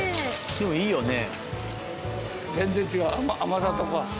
でもいいよね。